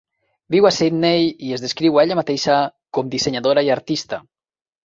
Viu a Sidney i es descriu a ella mateixa com dissenyadora i artista.